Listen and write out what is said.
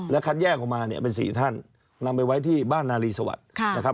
และคัดแยกออกมาเป็น๔ท่านนำไปไว้ที่บ้านนาลีสวรรค์